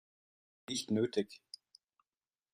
Nicht nötig.